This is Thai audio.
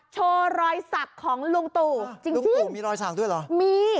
โชว์รอยสักของลุงตู่จริงลุงตู่มีรอยสักด้วยเหรอมี